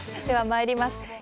ではまいります